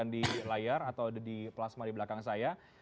di layar atau di plasma di belakang saya